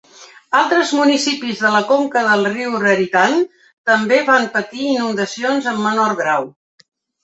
Altres municipis de la conca del riu Raritan també van patir inundacions en menor grau.